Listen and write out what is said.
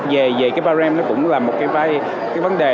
về cái bao rem nó cũng là một cái vấn đề